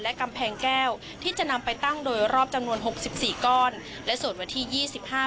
กำแพงแก้วที่จะนำไปตั้งโดยรอบจำนวนหกสิบสี่ก้อนและส่วนวันที่ยี่สิบห้า